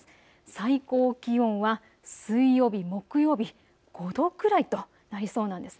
最高気温は水曜日、木曜日５度くらいとなりそうなんですね。